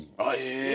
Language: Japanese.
え！